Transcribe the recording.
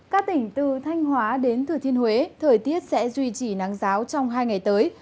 các tỉnh từ thanh hóa đến thừa thiên huế thời tiết sẽ duy trì nắng giáo trong hai ngày tới